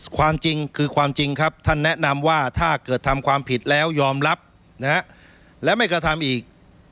ความจริงคือความจริงครับท่านแนะนำว่าถ้าเกิดทำความผิดแล้วยอมรับและไม่กระทำอีก